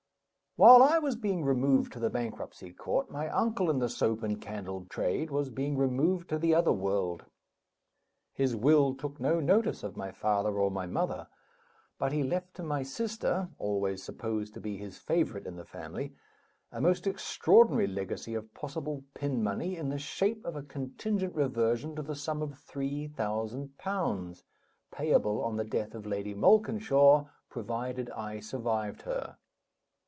While I was being removed to the bankruptcy court, my uncle in the soap and candle trade was being removed to the other world. His will took no notice of my father or my mother; but he left to my sister (always supposed to be his favorite in the family) a most extraordinary legacy of possible pin money, in the shape of a contingent reversion to the sum of three thousand pounds, payable on the death of Lady Malkinshaw, provided I survived her.